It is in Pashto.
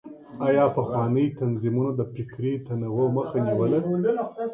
آيا پخوانيو تنظيمونو د فکري تنوع مخه نيوله؟